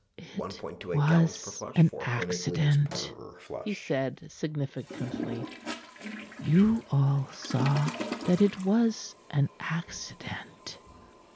"It was an accident," he said significantly. "You all saw that it was an accident."